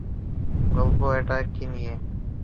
গল্পটা কী নিয়ে?